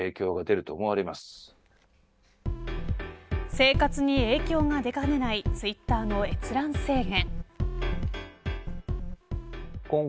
生活に影響が出かねないツイッターの閲覧制限。